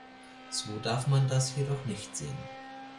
So darf man das jedoch nicht sehen.